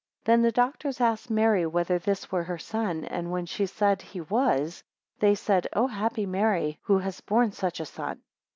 26 Then the doctors asked Mary, Whether this were her son? And when she said, He was, they said, O happy Mary, who hast borne such a son.